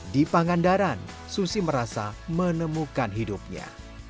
di pangandaran susi merasa menemukan hidupnya